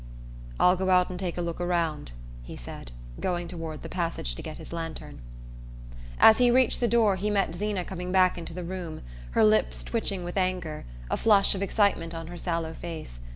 "I'll go out and take a look around," he said, going toward the passage to get his lantern. As he reached the door he met Zeena coming back into the room, her lips twitching with anger, a flush of excitement on her sallow face.